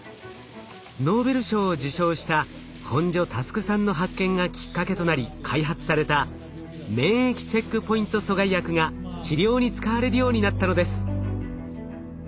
ノーベル賞を受賞した本庶佑さんの発見がきっかけとなり開発された免疫チェックポイント阻害薬が治療に使われるようになったのです。